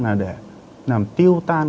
là để làm tiêu tan